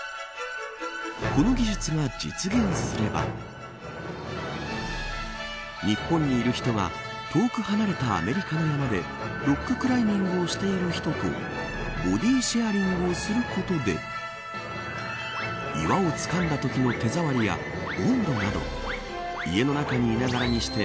この技術が実現すれば日本にいる人が遠く離れたアメリカの山でロッククライミングをしている人とボディシェアリングをすることで岩をつかんだときの手触りや温度など家の中にいながらにして